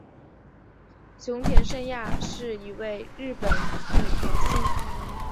熊田圣亚是一位日本女童星。